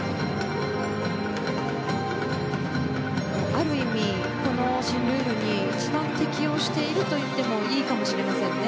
ある意味、この新ルールに一番適応しているといってもいいかもしれませんね。